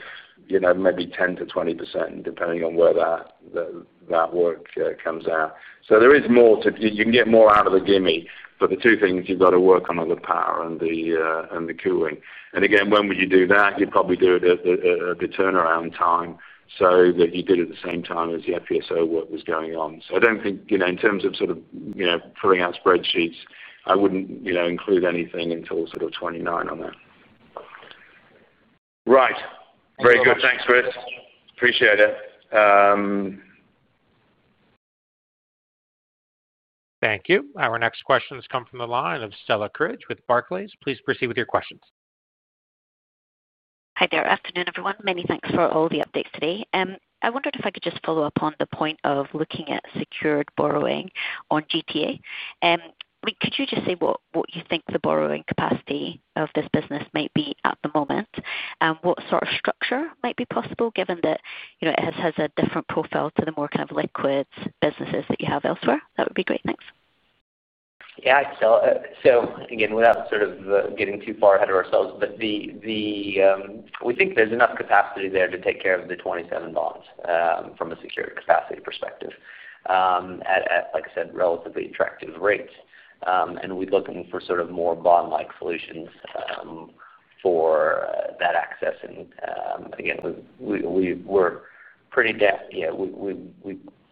maybe 10%-20%, depending on where that work comes out. There is more, you can get more out of the Gimi, but the two things you have got to work on are the power and the cooling. Again, when would you do that? You'd probably do it at the turnaround time so that you did it at the same time as the FPSO work was going on. I don't think, in terms of sort of filling out spreadsheets, I would include anything until sort of 2029 on that. Right. Very good. Thanks, Chris. Appreciate it. Thank you. Our next question has come from the line of Stella Cridge with Barclays. Please proceed with your questions. Hi there. Afternoon, everyone. Many thanks for all the updates today. I wondered if I could just follow up on the point of looking at secured borrowing on GTA. Could you just say what you think the borrowing capacity of this business might be at the moment and what sort of structure might be possible, given that it has a different profile to the more kind of liquid businesses that you have elsewhere? That would be great. Thanks. Yeah. Again, without sort of getting too far ahead of ourselves, we think there's enough capacity there to take care of the 2027 bonds from a secured capacity perspective at, like I said, relatively attractive rates. We're looking for sort of more bond-like solutions for that access. Again, we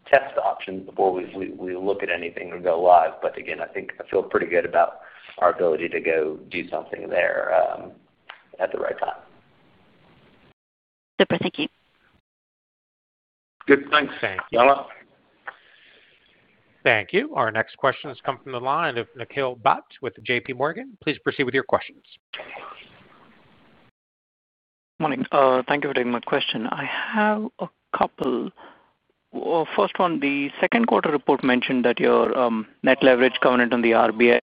test options before we look at anything and go live. Again, I think I feel pretty good about our ability to go do something there at the right time. Super. Thank you. Good. Thanks, Stella. Thank you. Our next question has come from the line of Nikhil Butt with JPMorgan. Please proceed with your questions. Morning. Thank you for taking my question. I have a couple. First one, the second-quarter report mentioned that your net leverage covenant on the RBL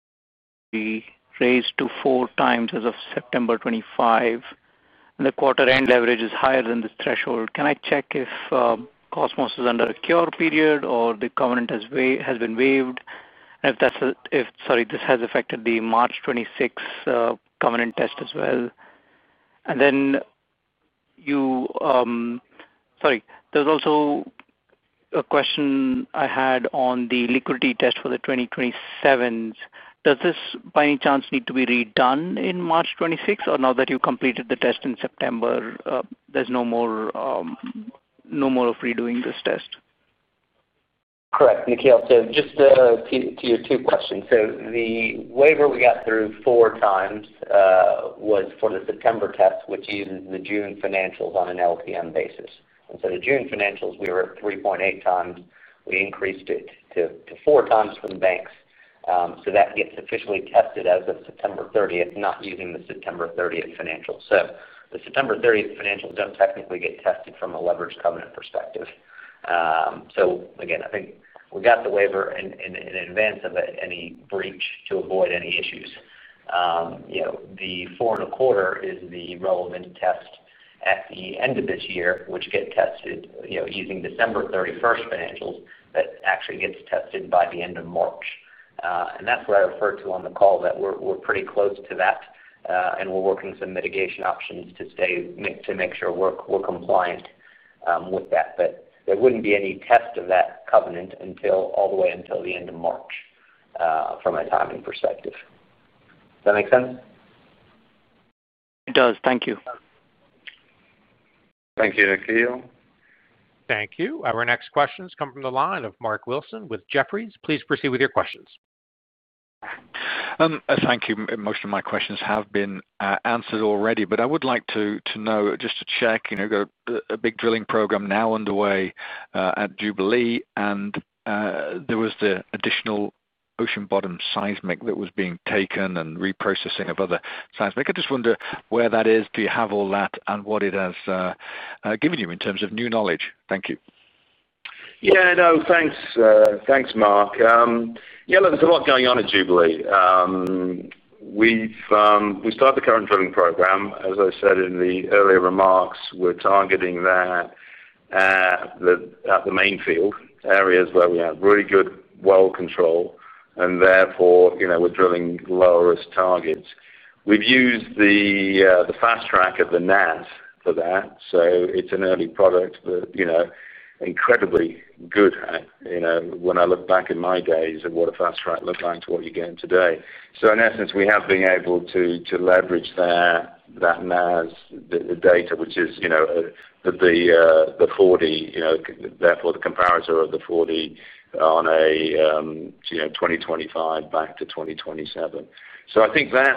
raised to 4x as of September 2025, and the quarter-end leverage is higher than this threshold. Can I check if Kosmos is under a cure period or the covenant has been waived? If that's a, sorry, this has affected the March 2026 covenant test as well. There's also a question I had on the liquidity test for the 2027. Does this, by any chance, need to be redone in March 2026, or now that you completed the test in September, there's no more of redoing this test? Correct. Nikhil, just to your two questions, the waiver we got through 4x was for the September test, which uses the June financials on an LPM basis. The June financials, we were at 3.8x. We increased it to 4x from banks. That gets officially tested as of September 30th, not using the September 30th financials. The September 30th financials don't technically get tested from a leverage covenant perspective. I think we got the waiver in advance of any breach to avoid any issues. The 4.25x is the relevant test at the end of this year, which gets tested using December 31st financials that actually gets tested by the end of March. That is what I referred to on the call, that we're pretty close to that. We're working some mitigation options to make sure we're compliant with that. There would not be any test of that covenant all the way until the end of March from a timing perspective. Does that make sense? It does. Thank you. Thank you, Nikhil. Thank you. Our next question has come from the line of Mark Wilson with Jefferies. Please proceed with your questions. Thank you. Most of my questions have been answered already. I would like to know, just to check, a big drilling program now underway at Jubilee. There was the additional ocean bottom seismic that was being taken and reprocessing of other seismic. I just wonder where that is, do you have all that, and what it has given you in terms of new knowledge? Thank you. Yeah. No. Thanks, Mark. Yeah. Look, there is a lot going on at Jubilee. We've started the current drilling program. As I said in the earlier remarks, we're targeting that at the main field areas where we have really good well control and therefore, we're drilling low-risk targets. We've used the fast track of the NAS for that. It is an early product, but incredibly good. When I look back in my days at what a fast track looked like to what you're getting today. In essence, we have been able to leverage that NAS, the data, which is the 40, therefore the comparator of the 40 on a 2025 back to 2027. I think that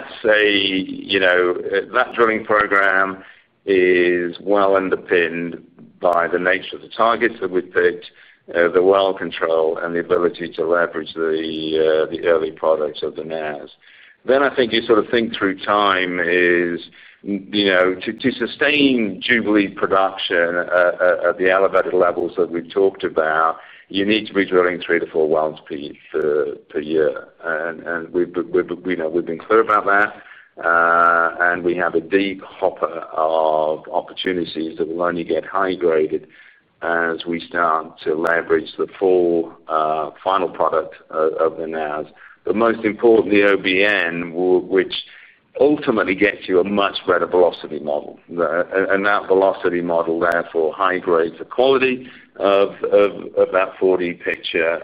drilling program is well underpinned by the nature of the targets that we've picked, the well control, and the ability to leverage the early products of the NAS. I think you sort of think through time is to sustain Jubilee production at the elevated levels that we've talked about, you need to be drilling three to four wells per year. We've been clear about that. We have a deep hopper of opportunities that will only get high-graded as we start to leverage the full final product of the NAS. Most importantly, OBN, which ultimately gets you a much better velocity model. That velocity model, therefore, high-grades the quality of that 40 picture,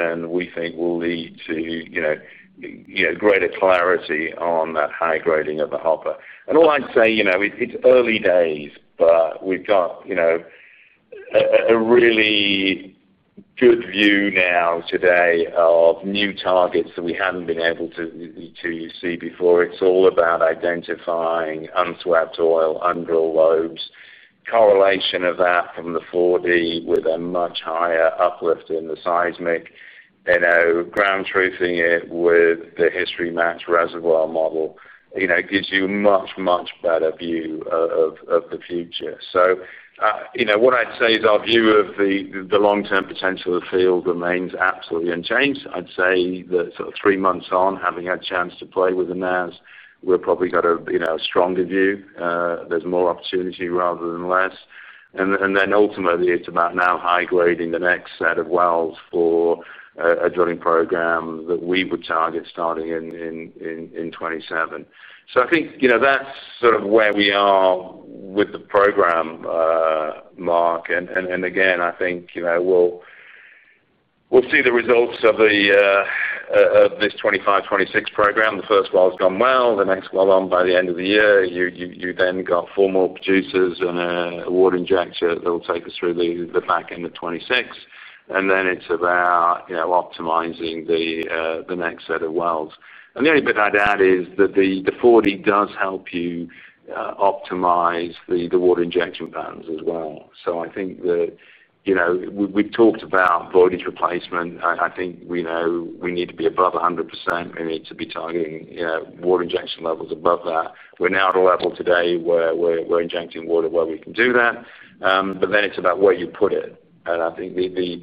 and we think will lead to greater clarity on that high-grading of the hopper. All I'd say, it's early days, but we've got a really good view now today of new targets that we had not been able to see before. It's all about identifying unswept oil, un-drilled loads, correlation of that from the 40 with a much higher uplift in the seismic. Ground truthing it with the history match reservoir model gives you a much, much better view of the future. So. What I'd say is our view of the long-term potential of the field remains absolutely unchanged. I'd say that sort of three months on, having had a chance to play with the NAS, we've probably got a stronger view. There's more opportunity rather than less. Ultimately, it's about now high-grading the next set of wells for a drilling program that we would target starting in 2027. I think that's sort of where we are with the program, Mark. Again, I think we'll see the results of this 2025-2026 program. The first well's gone well. The next well on by the end of the year, you then got four more producers and a water injector that will take us through the back end of 2026. It's about optimizing the next set of wells. The only bit I'd add is that the 4D does help you optimize the water injection patterns as well. I think that we've talked about voyage replacement. I think we know we need to be above 100%. We need to be targeting water injection levels above that. We're now at a level today where we're injecting water where we can do that, but then it's about where you put it. I think the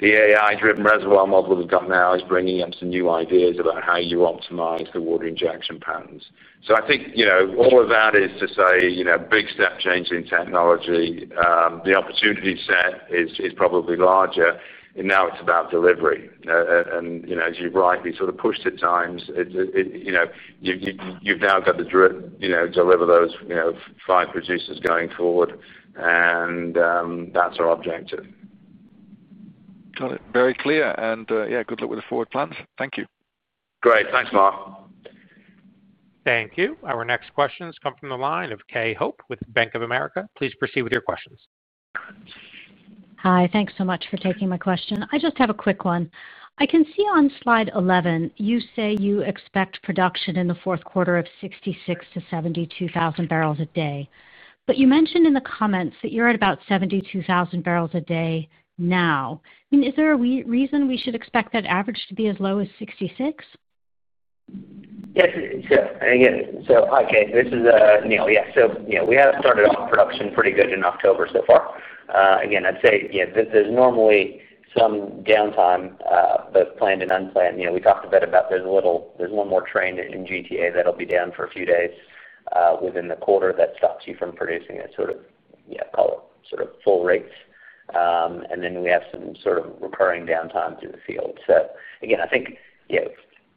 AI-driven reservoir model we've got now is bringing up some new ideas about how you optimize the water injection patterns. All of that is to say big step change in technology. The opportunity set is probably larger. Now it's about delivery. As you're right, we sort of pushed at times. You've now got to deliver those five producers going forward. That's our objective. Got it. Very clear. Yeah, good luck with the forward plans. Thank you. Great. Thanks, Mark. Thank you. Our next question has come from the line of Kay Hope with Bank of America. Please proceed with your questions. Hi. Thanks so much for taking my question. I just have a quick one. I can see on slide 11, you say you expect production in the fourth quarter of 66,000-72,000 barrels a day. But you mentioned in the comments that you're at about 72,000 barrels a day now. I mean, is there a reason we should expect that average to be as low as 66,000? Yes. Sure. Again, hi, Kay. This is Neal. Yeah. So yeah, we had started off production pretty good in October so far. Again, I'd say there's normally some downtime, both planned and unplanned. We talked a bit about there's one more train in GTA that'll be down for a few days within the quarter that stops you from producing at, yeah, call it sort of full rates. We have some sort of recurring downtime through the field. Again, I think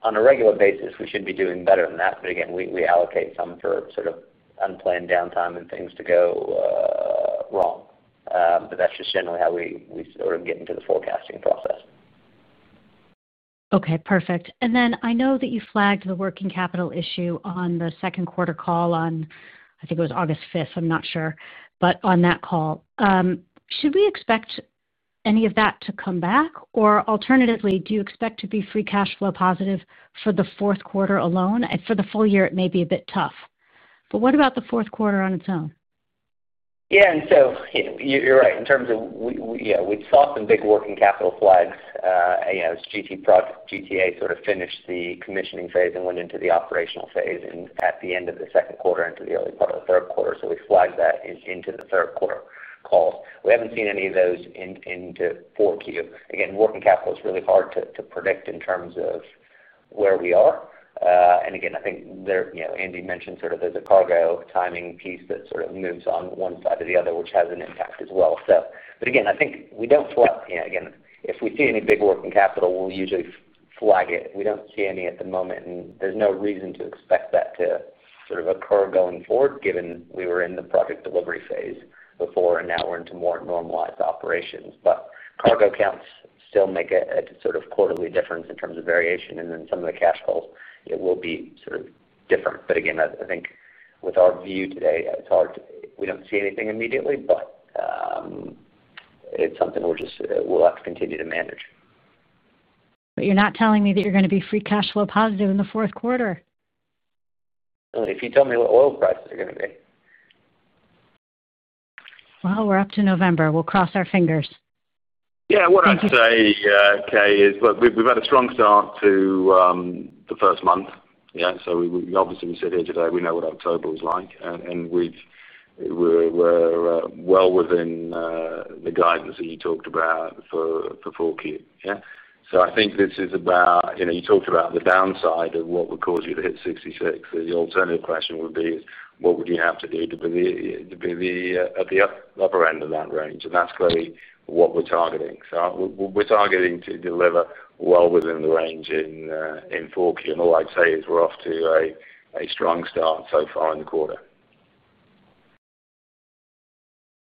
on a regular basis, we should be doing better than that, but again, we allocate some for sort of unplanned downtime and things to go wrong. That is just generally how we sort of get into the forecasting process. Okay. Perfect. I know that you flagged the working capital issue on the second-quarter call on, I think it was August 5th, I am not sure, but on that call. Should we expect any of that to come back? Or alternatively, do you expect to be free cash flow positive for the fourth quarter alone and for the full year, it may be a bit tough. What about the fourth quarter on its own? Yeah. You are right. In terms of, yeah, we saw some big working capital flags as GTA sort of finished the commissioning phase and went into the operational phase at the end of the second quarter into the early part of the third quarter. We flagged that into the third quarter calls. We have not seen any of those into 4Q. Again, working capital is really hard to predict in terms of where we are. I think Andy mentioned there is a cargo timing piece that sort of moves on one side or the other, which has an impact as well. I think we do not flag. If we see any big working capital, we will usually flag it. We do not see any at the moment. There is no reason to expect that to occur going forward, given we were in the project delivery phase before, and now we are into more normalized operations. Cargo counts still make a quarterly difference in terms of variation. Some of the cash calls, it will be different. I think with our view today, we do not see anything immediately, but it is something we will have to continue to manage. You are not telling me that you are going to be free cash flow positive in the fourth quarter? If you tell me what oil prices are going to be. We are up to November. We will cross our fingers. Yeah. What I would say, Kay, is we have had a strong start to the first month. Yeah, obviously, we sit here today. We know what October was like. We are well within the guidance that you talked about for 4Q. I think this is about you talked about the downside of what would cause you to hit 66. The alternative question would be, what would you have to do to be at the upper end of that range. That is clearly what we are targeting. We are targeting to deliver well within the range in 4Q. All I would say is we are off to a strong start so far in the quarter.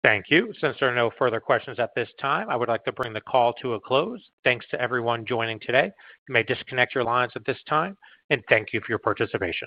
Thank you. Since there are no further questions at this time, I would like to bring the call to a close. Thanks to everyone joining today. You may disconnect your lines at this time. Thank you for your participation.